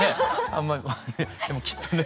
あんまりこうでもきっとね。